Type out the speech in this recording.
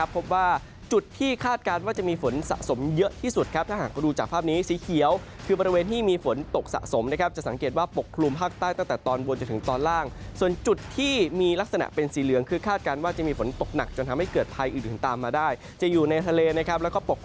พบว่าจุดที่คาดการณ์ว่าจะมีฝนสะสมเยอะที่สุดครับถ้าหากดูจากภาพนี้สีเขียวคือบริเวณที่มีฝนตกสะสมนะครับจะสังเกตว่าปกคลุมภาคใต้ตั้งแต่ตอนบนจนถึงตอนล่างส่วนจุดที่มีลักษณะเป็นสีเหลืองคือคาดการณ์ว่าจะมีฝนตกหนักจนทำให้เกิดภัยอื่นตามมาได้จะอยู่ในทะเลนะครับแล้วก็ปก